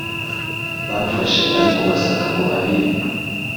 bamufashe arikubasaka ngo abibe